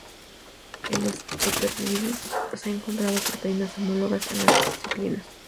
En los herpesvirus se han encontrado proteínas homólogas a las ciclinas.